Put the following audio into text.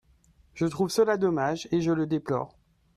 Je trouve cela dommage et je le déplore.